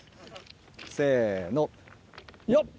せのよっ。